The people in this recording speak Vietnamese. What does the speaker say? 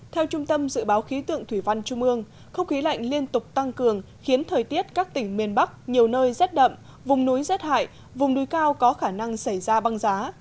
theo trung tâm dự báo khí tượng thủy văn trung ương không khí lạnh liên tục tăng cường khiến thời tiết các tỉnh miền bắc nhiều nơi rét đậm vùng núi rét hại vùng núi cao có khả năng xảy ra băng giá